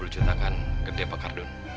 dua puluh juta kan gede pak kardun